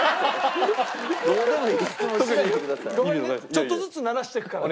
ちょっとずつ慣らしていくから。